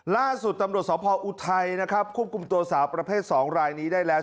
ล่าสุดตำรวจสพออุทัยนะครับควบคุมตัวสาวประเภท๒รายนี้ได้แล้ว